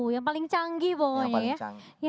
yang paling canggih pokoknya ya